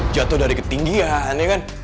jatuh dari ketinggian